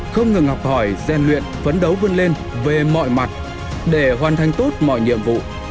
không ngừng học hỏi gian luyện phấn đấu vươn lên về mọi mặt để hoàn thành tốt mọi nhiệm vụ